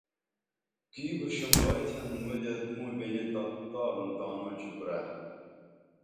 کی بُشُنگائی تھین مودے مو بِنی تارُن تانوں چُکرا